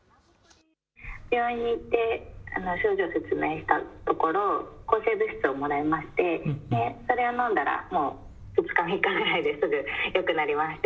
病院に行って症状を説明したところ、抗生物質をもらいまして、それを飲んだら、もう２日、３日ぐらいですぐよくなりまして。